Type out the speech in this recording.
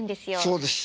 そうです。